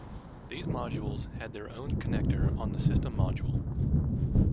These modules had their own connector on the system module.